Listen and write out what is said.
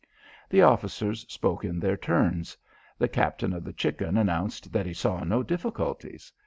The officers spoke in their turns. The captain of the Chicken announced that he saw no difficulties.